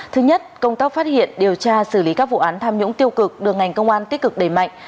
thứ nhất công tác phát hiện điều tra xử lý các vụ án tham nhũng tiêu cực được ngành công an tích cực đẩy mạnh